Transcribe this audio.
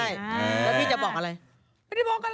แล้วพี่จะบอกอะไรไม่ได้บอกอะไร